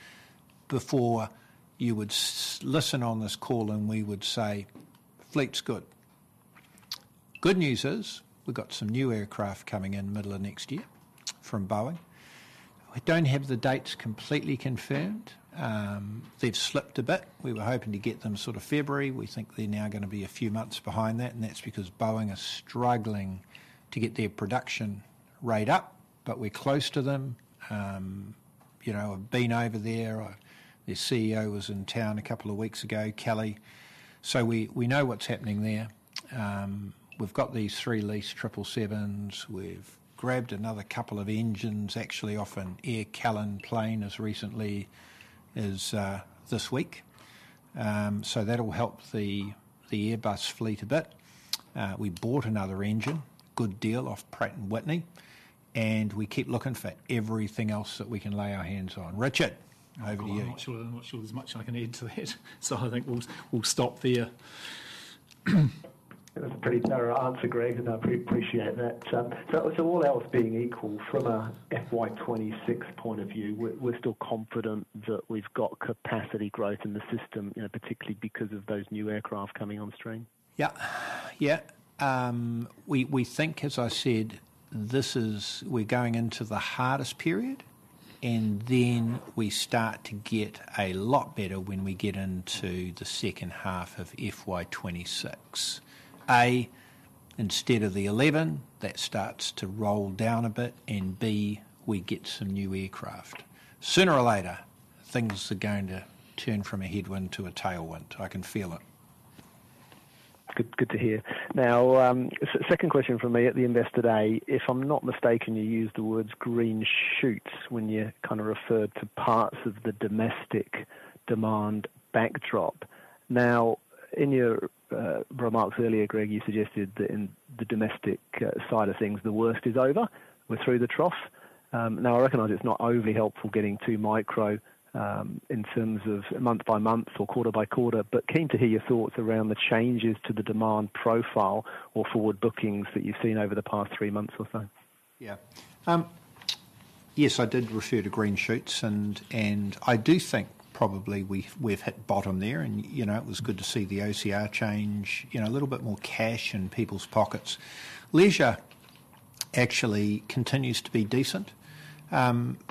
before you would listen on this call and we would say, 'Fleet's good.'" Good news is we've got some new aircraft coming in the middle of next year from Boeing. We don't have the dates completely confirmed. They've slipped a bit. We were hoping to get them sort of February. We think they're now going to be a few months behind that, and that's because Boeing is struggling to get their production rate up, but we're close to them. I've been over there. Their CEO was in town a couple of weeks ago, Kelly. So we know what's happening there. We've got these three leased 777s. We've grabbed another couple of engines, actually off an Aircalin plane as recently as this week. So that'll help the Airbus fleet a bit. We bought another engine, good deal off Pratt & Whitney, and we keep looking for everything else that we can lay our hands on. Richard, over to you. I'm not sure there's much I can add to that, so I think we'll stop there. That's a pretty thorough answer, Greg, and I appreciate that. So all else being equal, from an FY26 point of view, we're still confident that we've got capacity growth in the system, particularly because of those new aircraft coming on stream? Yep. Yeah. We think, as I said, we're going into the hardest period, and then we start to get a lot better when we get into the second half of FY 2026. A, instead of the 11, that starts to roll down a bit, and B, we get some new aircraft. Sooner or later, things are going to turn from a headwind to a tailwind. I can feel it. Good to hear. Now, second question from me at the investor day. If I'm not mistaken, you used the words green shoots when you kind of referred to parts of the domestic demand backdrop. Now, in your remarks earlier, Greg, you suggested that in the domestic side of things, the worst is over. We're through the trough. Now, I recognize it's not overly helpful getting to micro in terms of month by month or quarter by quarter, but keen to hear your thoughts around the changes to the demand profile or forward bookings that you've seen over the past three months or so. Yeah. Yes, I did refer to green shoots, and I do think probably we've hit bottom there, and it was good to see the OCR change, a little bit more cash in people's pockets. Leisure actually continues to be decent.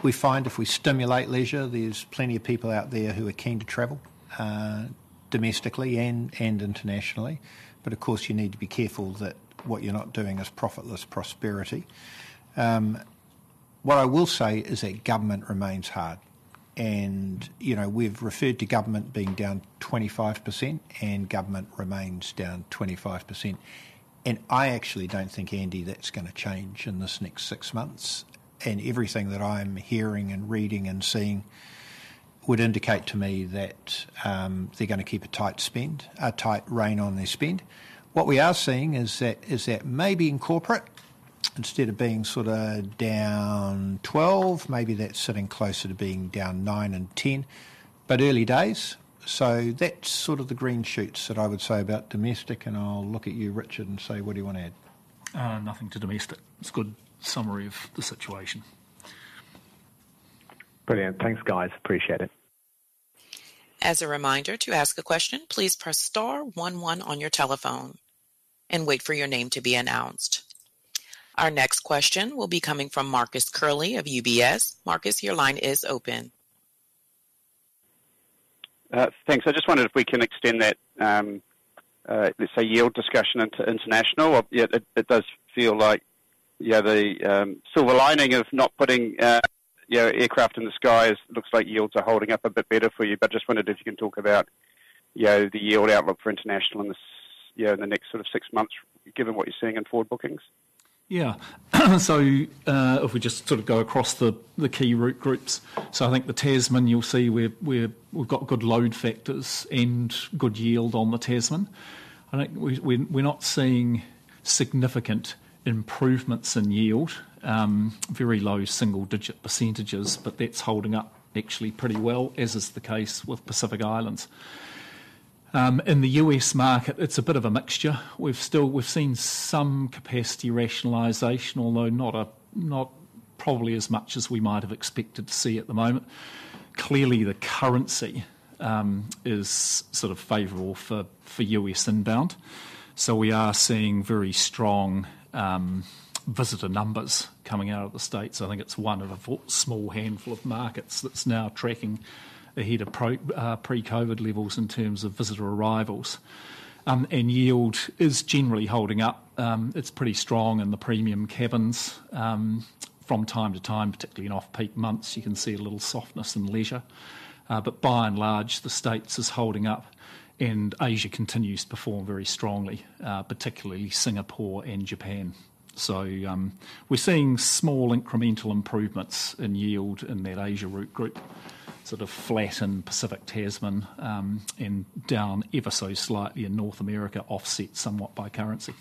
We find if we stimulate leisure, there's plenty of people out there who are keen to travel domestically and internationally. But of course, you need to be careful that what you're not doing is profitless prosperity. What I will say is that government remains hard, and we've referred to government being down 25%, and government remains down 25%. And I actually don't think, Andy, that's going to change in this next six months. And everything that I'm hearing and reading and seeing would indicate to me that they're going to keep a tight rein on their spend. What we are seeing is that maybe in corporate, instead of being sort of down 12%, maybe that's sitting closer to being down 9%-10%, but early days. So that's sort of the green shoots that I would say about domestic, and I'll look at you, Richard, and say, "What do you want to add?" Nothing to domestic. It's a good summary of the situation. Brilliant. Thanks, guys. Appreciate it. As a reminder, to ask a question, please press star one one on your telephone and wait for your name to be announced. Our next question will be coming from Marcus Curley of UBS. Marcus, your line is open. Thanks. I just wondered if we can extend that, let's say, yield discussion into international. It does feel like the silver lining of not putting aircraft in the sky looks like yields are holding up a bit better for you. But I just wondered if you can talk about the yield outlook for international in the next sort of six months, given what you're seeing in forward bookings. Yeah. So if we just sort of go across the key route groups, so I think the Tasman, you'll see we've got good load factors and good yield on the Tasman. I think we're not seeing significant improvements in yield, very low single-digit %, but that's holding up actually pretty well, as is the case with Pacific Islands. In the U.S. market, it's a bit of a mixture. We've seen some capacity rationalization, although not probably as much as we might have expected to see at the moment. Clearly, the currency is sort of favorable for U.S. inbound, so we are seeing very strong visitor numbers coming out of the States. I think it's one of a small handful of markets that's now tracking ahead of pre-COVID levels in terms of visitor arrivals, and yield is generally holding up. It's pretty strong in the premium cabins. From time to time, particularly in off-peak months, you can see a little softness in leisure. But by and large, the States is holding up, and Asia continues to perform very strongly, particularly Singapore and Japan. So we're seeing small incremental improvements in yield in that Asia route group, sort of flat in Pacific Tasman and down ever so slightly in North America, offset somewhat by currency.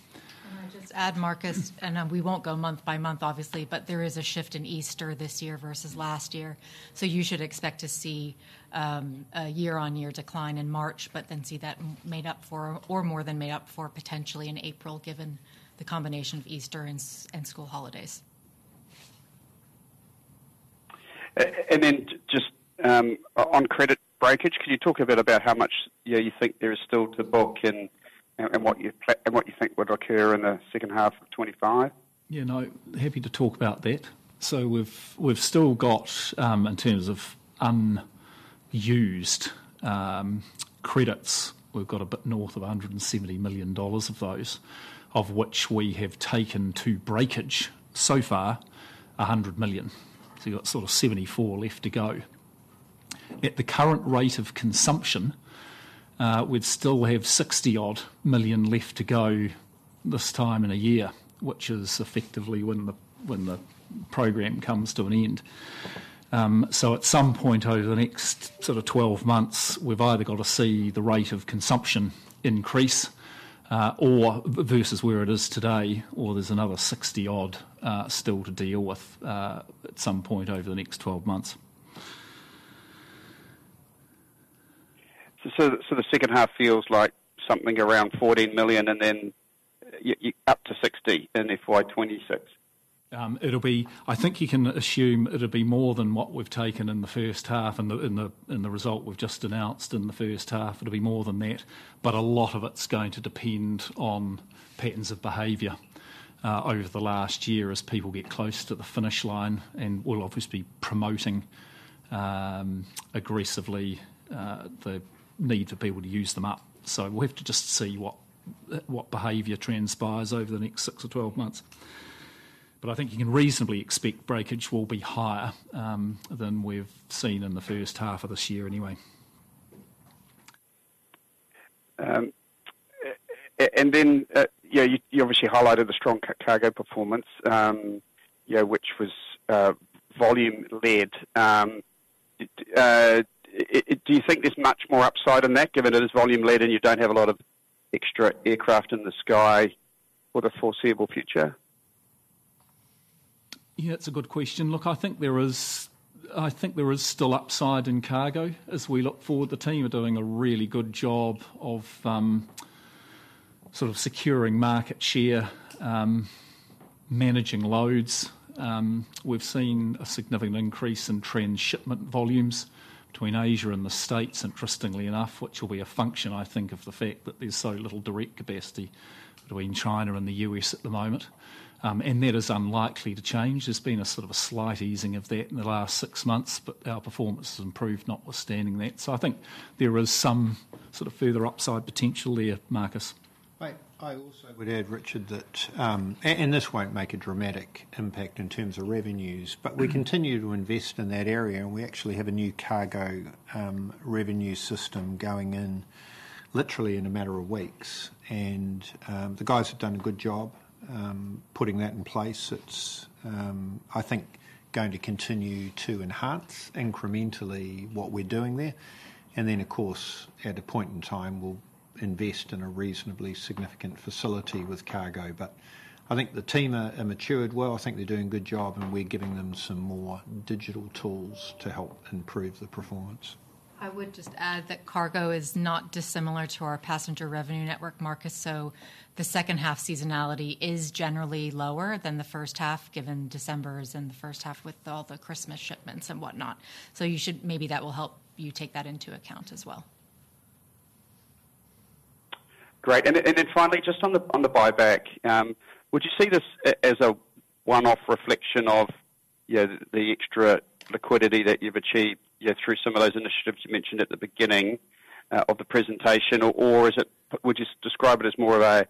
I'll just add, Marcus, and we won't go month by month, obviously, but there is a shift in Easter this year versus last year. So you should expect to see a year-on-year decline in March, but then see that made up for or more than made up for potentially in April, given the combination of Easter and school holidays. And then just on hedge breakage, could you talk a bit about how much you think there is still to book and what you think would occur in the second half of 2025? Yeah, no, happy to talk about that. So we've still got, in terms of unused credits, we've got a bit north of 170 million dollars of those, of which we have taken to breakage so far 100 million. So you've got sort of 74 left to go. At the current rate of consumption, we'd still have 60-odd million left to go this time in a year, which is effectively when the program comes to an end. So at some point over the next sort of 12 months, we've either got to see the rate of consumption increase versus where it is today, or there's another 60-odd still to deal with at some point over the next 12 months. So the second half feels like something around 14 million and then up to 60 in FY 2026? I think you can assume it'll be more than what we've taken in the first half and the result we've just announced in the first half. It'll be more than that. But a lot of it's going to depend on patterns of behavior over the last year as people get close to the finish line. And we'll obviously be promoting aggressively the need for people to use them up. So we'll have to just see what behavior transpires over the next six or 12 months. But I think you can reasonably expect breakage will be higher than we've seen in the first half of this year anyway. And then you obviously highlighted the strong cargo performance, which was volume-led. Do you think there's much more upside in that, given it is volume-led and you don't have a lot of extra aircraft in the sky for the foreseeable future? Yeah, that's a good question. Look, I think there is still upside in cargo as we look forward. The team are doing a really good job of sort of securing market share, managing loads. We've seen a significant increase in transshipment volumes between Asia and the States, interestingly enough, which will be a function, I think, of the fact that there's so little direct capacity between China and the U.S. at the moment. And that is unlikely to change. There's been a sort of a slight easing of that in the last six months, but our performance has improved notwithstanding that. So I think there is some sort of further upside potential there, Marcus. I also would add, Richard, that, and this won't make a dramatic impact in terms of revenues, but we continue to invest in that area, and we actually have a new cargo revenue system going in literally in a matter of weeks. And the guys have done a good job putting that in place. It's, I think, going to continue to enhance incrementally what we're doing there. And then, of course, at a point in time, we'll invest in a reasonably significant facility with cargo. But I think the team are matured well. I think they're doing a good job, and we're giving them some more digital tools to help improve the performance. I would just add that cargo is not dissimilar to our passenger revenue network, Marcus. So the second half seasonality is generally lower than the first half, given December is in the first half with all the Christmas shipments and whatnot. So maybe that will help you take that into account as well. Great. And then finally, just on the buyback, would you see this as a one-off reflection of the extra liquidity that you've achieved through some of those initiatives you mentioned at the beginning of the presentation, or would you describe it as more of an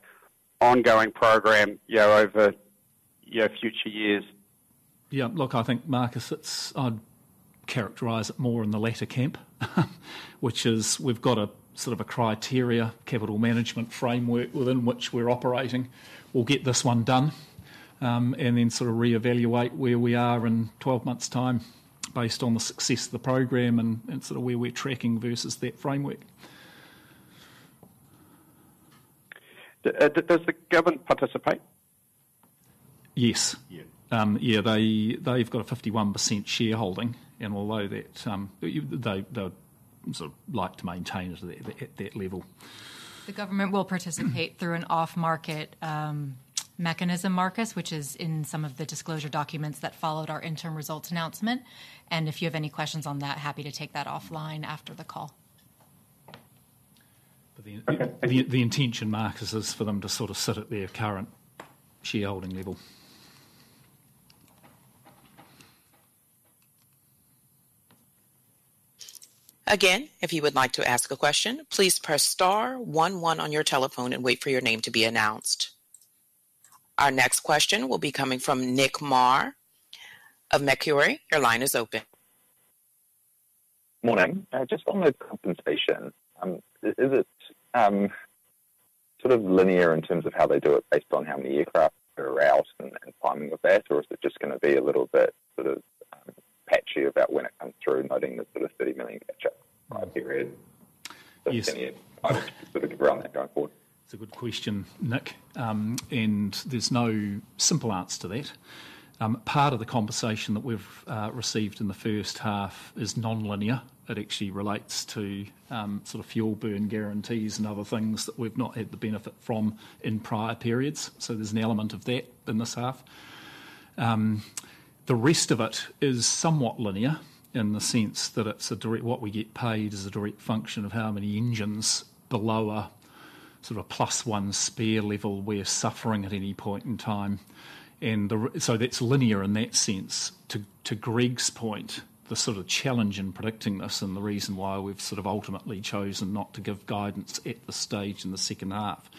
ongoing program over future years? Yeah. Look, I think, Marcus, I'd characterize it more in the latter camp, which is we've got a sort of a criteria, Capital Management Framework within which we're operating. We'll get this one done and then sort of re-evaluate where we are in 12 months' time based on the success of the program and sort of where we're tracking versus that framework. Does the government participate? Yes. Yeah. They've got a 51% shareholding, and although they'd sort of like to maintain it at that level. The government will participate through an off-market mechanism, Marcus, which is in some of the disclosure documents that followed our interim results announcement. And if you have any questions on that, happy to take that offline after the call. The intention, Marcus, is for them to sort of sit at their current shareholding level. Again, if you would like to ask a question, please press star one one on your telephone and wait for your name to be announced. Our next question will be coming from Nick Mar of Macquarie. Your line is open. Morning.Just on the compensation, is it sort of linear in terms of how they do it based on how many aircraft are out and timing of that, or is it just going to be a little bit sort of patchy about when it comes through, noting the sort of 30 million catch-up period? Yes. Sort of around that going forward? It's a good question, Nick. And there's no simple answer to that. Part of the compensation that we've received in the first half is non-linear. It actually relates to sort of fuel burn guarantees and other things that we've not had the benefit from in prior periods. So there's an element of that in this half. The rest of it is somewhat linear in the sense that what we get paid is a direct function of how many engines below a sort of a plus one spare level we're suffering at any point in time. And so that's linear in that sense. To Greg's point, the sort of challenge in predicting this and the reason why we've sort of ultimately chosen not to give guidance at this stage in the second half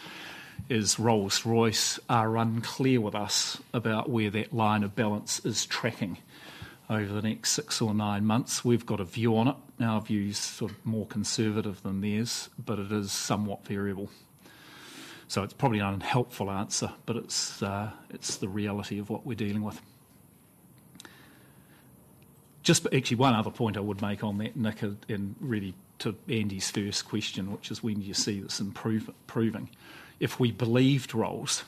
is Rolls-Royce are unclear with us about where that line of balance is tracking over the next six or nine months. We've got a view on it. Our view's sort of more conservative than theirs, but it is somewhat variable. So it's probably an unhelpful answer, but it's the reality of what we're dealing with. Just actually one other point I would make on that, Nick, and really to Andy's first question, which is when do you see this improving? If we believed Rolls,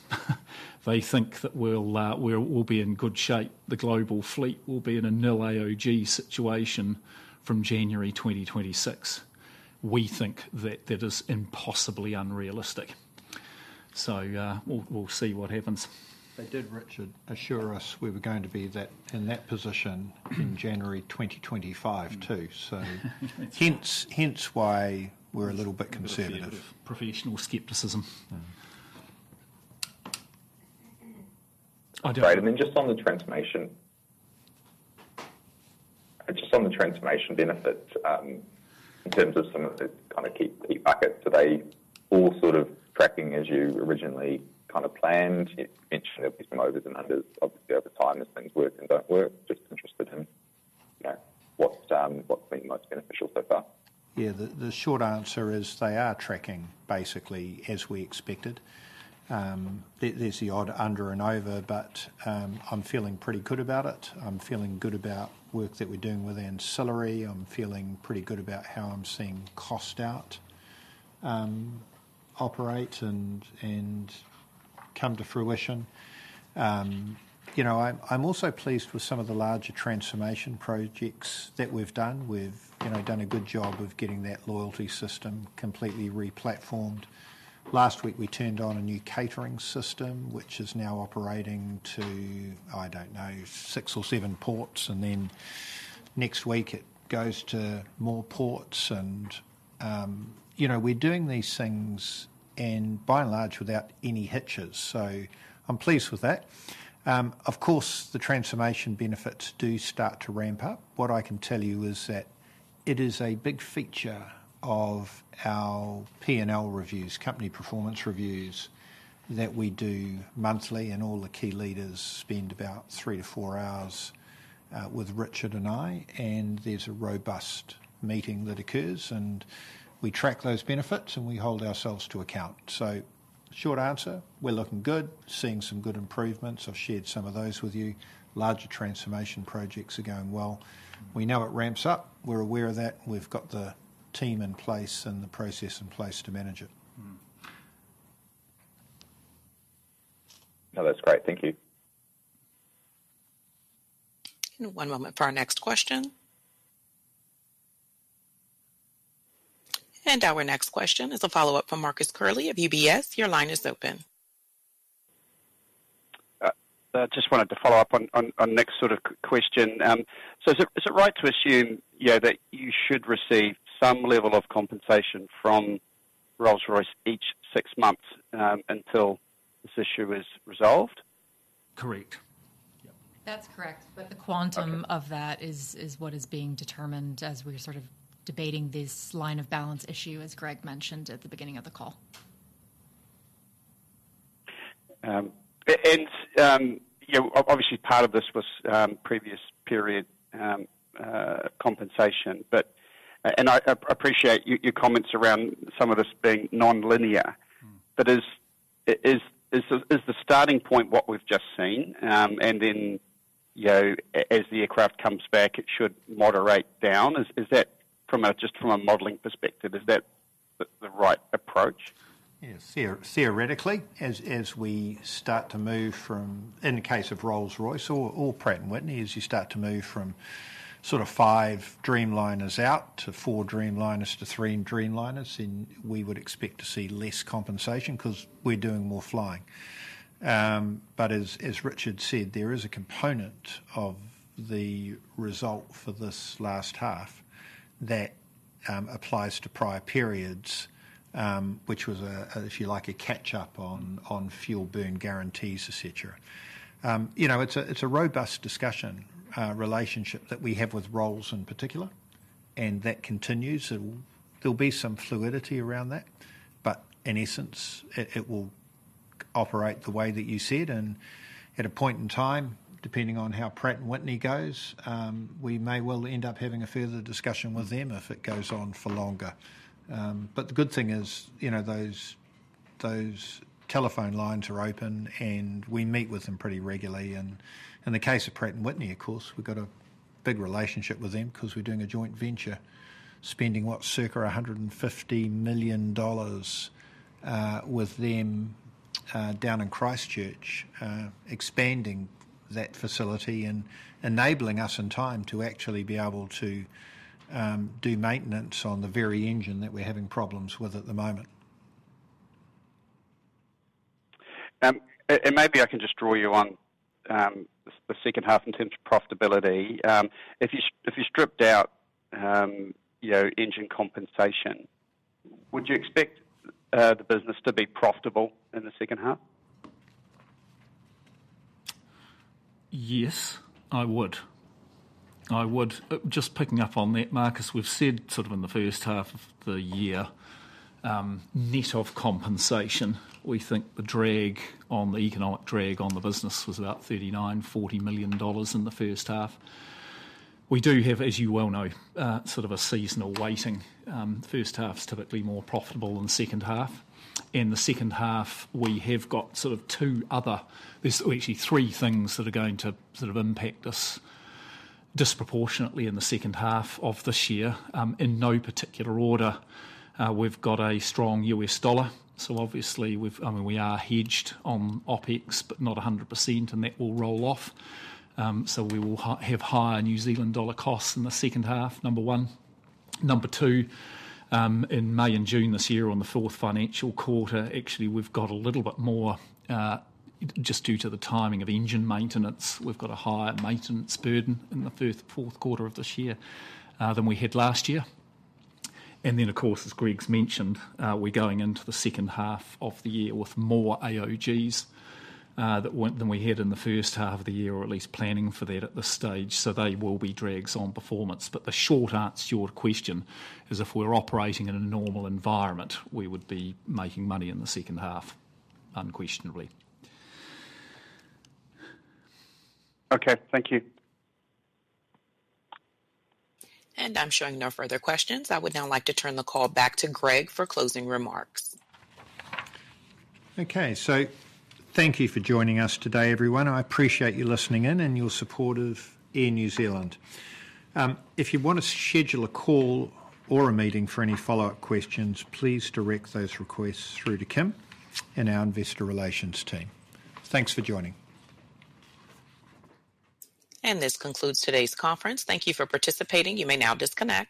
they think that we'll be in good shape. The global fleet will be in a nil AOG situation from January 2026. We think that that is impossibly unrealistic. So we'll see what happens. They did, Richard, assure us we were going to be in that position in January 2025 too. Hence why we're a little bit conservative. A bit of professional skepticism. Great. And then just on the transformation, just on the transformation benefits in terms of some of the kind of key buckets, are they all sort of tracking as you originally kind of planned? You mentioned there'll be some overs and unders, obviously, over time as things work and don't work. Just interested in what's been most beneficial so far. Yeah. The short answer is they are tracking basically as we expected. There's the odd under and over, but I'm feeling pretty good about it. I'm feeling good about work that we're doing with ancillary. I'm feeling pretty good about how I'm seeing cost out operate and come to fruition. I'm also pleased with some of the larger transformation projects that we've done. We've done a good job of getting that loyalty system completely replatformed. Last week, we turned on a new catering system, which is now operating to, I don't know, six or seven ports. And then next week, it goes to more ports. And we're doing these things, by and large, without any hitches. So I'm pleased with that. Of course, the transformation benefits do start to ramp up. What I can tell you is that it is a big feature of our P&L reviews, company performance reviews, that we do monthly, and all the key leaders spend about three to four hours with Richard and I. And there's a robust meeting that occurs, and we track those benefits, and we hold ourselves to account. So short answer, we're looking good, seeing some good improvements. I've shared some of those with you. Larger transformation projects are going well. We know it ramps up. We're aware of that. We've got the team in place and the process in place to manage it. No, that's great. Thank you. One moment for our next question. And our next question is a follow-up from Marcus Curley of UBS. Your line is open. I just wanted to follow up on the next sort of question. So is it right to assume that you should receive some level of compensation from Rolls-Royce each six months until this issue is resolved? Correct. That's correct. But the quantum of that is what is being determined as we're sort of debating this line of balance issue, as Greg mentioned at the beginning of the call. And obviously, part of this was previous period compensation. And I appreciate your comments around some of this being non-linear. But is the starting point what we've just seen? And then as the aircraft comes back, it should moderate down. From just a modeling perspective, is that the right approach? Yes. Theoretically, as we start to move from, in the case of Rolls-Royce or Pratt & Whitney, as you start to move from sort of five Dreamliners out to four Dreamliners to three Dreamliners, then we would expect to see less compensation because we're doing more flying. But as Richard said, there is a component of the result for this last half that applies to prior periods, which was, if you like, a catch-up on fuel burn guarantees, etc. It's a robust discussion relationship that we have with Rolls in particular, and that continues. There'll be some fluidity around that. But in essence, it will operate the way that you said. And at a point in time, depending on how Pratt & Whitney goes, we may well end up having a further discussion with them if it goes on for longer. But the good thing is those telephone lines are open, and we meet with them pretty regularly. And in the case of Pratt & Whitney, of course, we've got a big relationship with them because we're doing a joint venture, spending what, circa 150 million dollars with them down in Christchurch, expanding that facility and enabling us in time to actually be able to do maintenance on the very engine that we're having problems with at the moment. And maybe I can just draw you on the second half in terms of profitability. If you stripped out engine compensation, would you expect the business to be profitable in the second half? Yes, I would. I would. Just picking up on that, Marcus, we've said sort of in the first half of the year, net of compensation, we think the economic drag on the business was about 39 million-40 million dollars in the first half. We do have, as you well know, sort of a seasonal weighting. The first half is typically more profitable than the second half. In the second half, we have got sort of two other. There's actually three things that are going to sort of impact us disproportionately in the second half of this year. In no particular order, we've got a strong US dollar. So obviously, I mean, we are hedged on OpEx, but not 100%, and that will roll off. So we will have higher New Zealand dollar costs in the second half, number one. Number two, in May and June this year, on the fourth financial quarter, actually, we've got a little bit more just due to the timing of engine maintenance. We've got a higher maintenance burden in the fourth quarter of this year than we had last year. And then, of course, as Greg's mentioned, we're going into the second half of the year with more AOGs than we had in the first half of the year, or at least planning for that at this stage. So they will be drags on performance. But the short answer to your question is if we're operating in a normal environment, we would be making money in the second half, unquestionably. Okay. Thank you. And I'm showing no further questions. I would now like to turn the call back to Greg for closing remarks. Okay. So thank you for joining us today, everyone. I appreciate you listening in and your support of Air New Zealand. If you want to schedule a call or a meeting for any follow-up questions, please direct those requests through to Kim and our investor relations team. Thanks for joining. And this concludes today's conference. Thank you for participating. You may now disconnect.